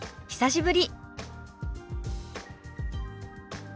久しぶり。